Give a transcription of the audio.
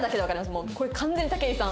もうこれ完全に武井さん。